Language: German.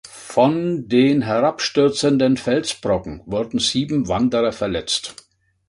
Von den herabstürzenden Felsbrocken wurden sieben Wanderer verletzt.